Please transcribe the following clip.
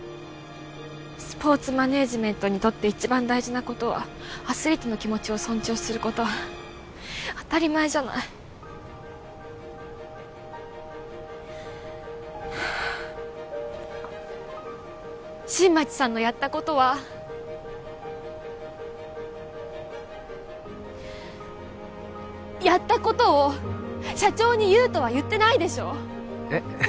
スポーツマネージメントにとって一番大事なことはアスリートの気持ちを尊重すること当たり前じゃない新町さんのやったことはやったことを社長に言うとは言ってないでしょえっ？